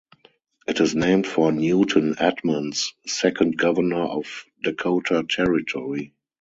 It is named for Newton Edmunds, second Governor of Dakota Territory.